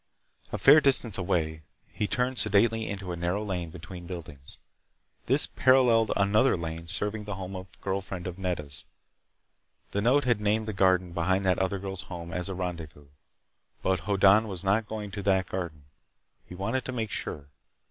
A fair distance away, he turned sedately into a narrow lane between buildings. This paralleled another lane serving the home of a girl friend of Nedda's. The note had named the garden behind that other girl's home as a rendezvous. But Hoddan was not going to that garden. He wanted to make sure.